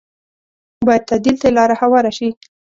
بايد تعديل ته یې لاره هواره شي